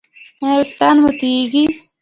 ایا ویښتان مو توییږي؟